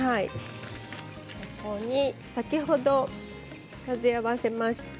ここに先ほど混ぜ合わせました